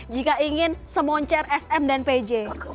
jika ingin semoncer sm dan pj